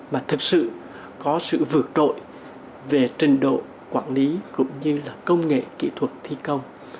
mà thực sự có sự vượt rội về trình độ quản lý cũng như là công nghệ kỹ thuật thi công